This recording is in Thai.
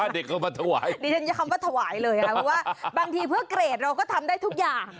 นี่จะคำว่าถวายเลยครับบางทีเพื่อเกรดเราก็ทำได้ทุกอย่าง